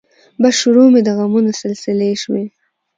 بس شروع مې د غمونو سلسلې شوې